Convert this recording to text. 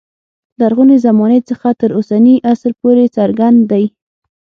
لرغونې زمانې څخه تر اوسني عصر پورې څرګند دی.